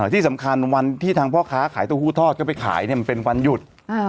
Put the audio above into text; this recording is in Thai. ที่สำคัญวันที่ทางพ่อค้าขายเต้าหู้ทอดก็ไปขายมันเป็นวันหยุด